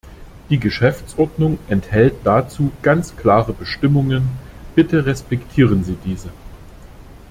Die Geschäftsordnung enthält dazu ganz klare Bestimmungen, bitte respektieren Sie diese.